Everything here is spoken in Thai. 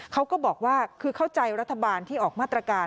เขาก็บอกว่าคือเข้าใจรัฐบาลที่ออกมาตรการ